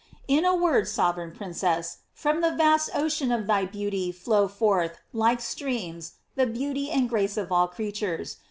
In a word, sovereign princess, from the vast ocean of thy beauty flowed forth, like streams, the beauty and grace of all creatures.